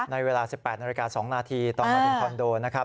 ในเวลา๑๘นาฬิกา๒นาทีตอนมาถึงคอนโดนะครับ